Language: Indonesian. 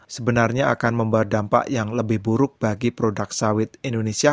sebenarnya akan membawa dampak yang lebih buruk bagi produk sawit indonesia